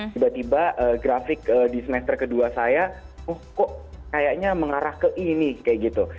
tiba tiba grafik di semester kedua saya oh kok kayaknya mengarah ke ini kayak gitu